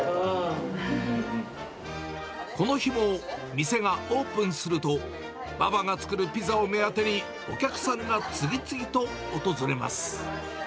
この日も、店がオープンすると、ババが作るピザを目当てに、お客さんが次々と訪れます。